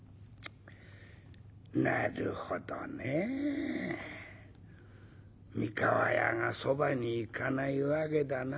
なるほどね三河屋がそばに行かない訳だな。